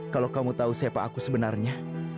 kalau kamu tahu siapa aku sebenarnya